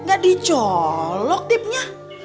nggak dicolok tipnya